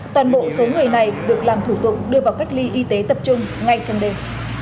toàn bộ số người này được làm thủ tục đưa vào cách ly y tế tập trung ngay trong đêm